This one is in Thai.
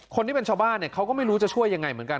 คนที่เป็นชาวบ้านเนี่ยเขาก็ไม่รู้จะช่วยยังไงเหมือนกัน